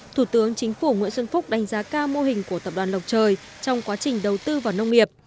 thủ tướng chính phủ nguyễn xuân phúc đánh giá cao mô hình của tập đoàn lộc trời trong quá trình đầu tư vào nông nghiệp